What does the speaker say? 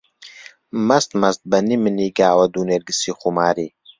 مەست مەست بە نیمنیگاوە، دوو نێرگسی خوماری